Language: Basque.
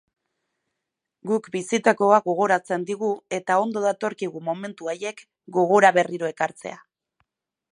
Guk bizitakoa gogoratzen digu eta ondo datorkigu momentu haiek gogora berriro ekartzea.